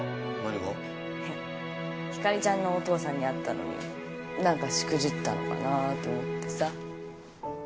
ひかりちゃんのお父さんに会ったのに何かしくじったのかなぁと思ってさ。